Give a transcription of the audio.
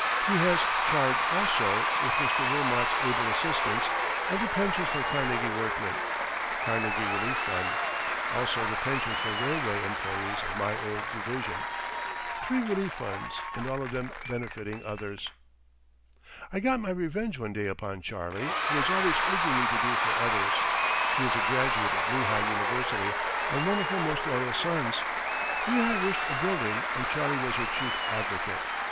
He has charge also, with Mr. Wilmot's able assistance, of the pensions for Carnegie workmen (Carnegie Relief Fund); also the pensions for railway employees of my old division. Three relief funds and all of them benefiting others. [Footnote 47: This fund is now managed separately.] I got my revenge one day upon Charlie, who was always urging me to do for others. He is a graduate of Lehigh University and one of her most loyal sons. Lehigh wished a building and Charlie was her chief advocate.